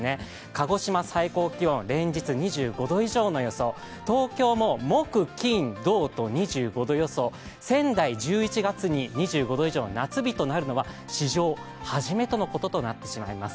鹿児島、最高気温、連日２５度以上の予想、東京も木金土と２５度予想、仙台、１１月に２５度以上の夏日となるのは史上初めてのこととなってしまいます。